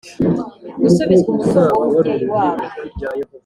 gusubizwa umutungo w umubyeyi wabo